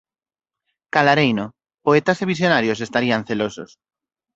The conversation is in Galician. Calareino: poetas e visionarios estarían celosos.